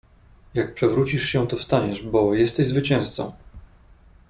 Jak przewrócisz się to wstaniesz bo: jesteś zwycięzcą!